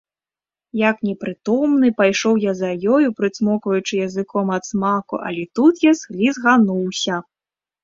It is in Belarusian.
Як непрытомны, пайшоў я за ёю, прыцмокваючы языком ад смаку, але тут я слізгануўся.